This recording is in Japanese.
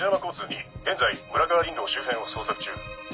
２現在村川林道周辺を捜索中。